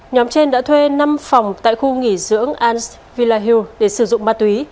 nhóm trên đã thuê năm phòng tại khu nghỉ dưỡng anse villa hill để sử dụng ma túy